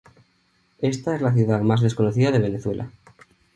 Esta es la ciudad más desconocida de Venezuela.